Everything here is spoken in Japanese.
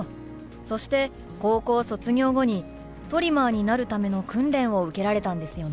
そして高校卒業後にトリマーになるための訓練を受けられたんですよね？